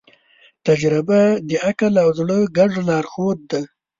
تجربه د عقل او زړه ګډ لارښود دی.